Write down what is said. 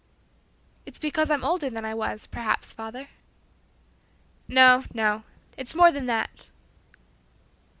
"It's because I'm older than I was, perhaps, father." "No, no; it's more than that."